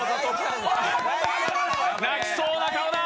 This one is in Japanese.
泣きそうな顔だ。